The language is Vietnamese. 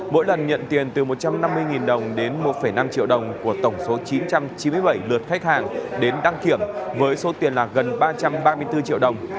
mỗi lần nhận tiền từ một trăm năm mươi đồng đến một năm triệu đồng của tổng số chín trăm chín mươi bảy lượt khách hàng đến đăng kiểm với số tiền là gần ba trăm ba mươi bốn triệu đồng